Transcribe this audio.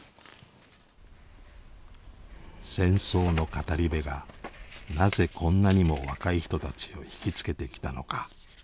戦争の語り部がなぜこんなにも若い人たちを引き付けてきたのか。